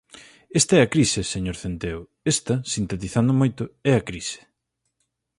Esta é a crise, señor Centeo, esta, sintetizando moito, é a crise.